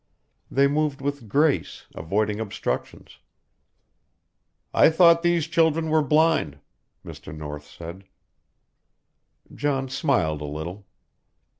They moved with grace, avoiding obstructions. "I thought these children were blind," Mr. North said. John smiled a little.